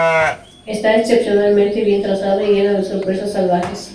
Está excepcionalmente bien trazada y llena de sorpresas salvajes.